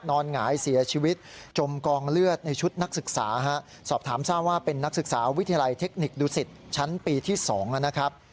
หงายเสียชีวิตจมกองเลือดในชุดนักศึกษาสอบถามทราบว่าเป็นนักศึกษาวิทยาลัยเทคนิคดุสิตชั้นปีที่๒นะครับ